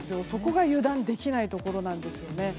そこが油断できないところなんですよね。